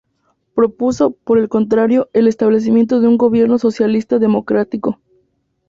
Propuso, por el contrario, el establecimiento de un Gobierno socialista democrático.